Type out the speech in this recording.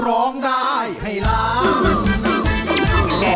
ร้องได้ให้ล้าน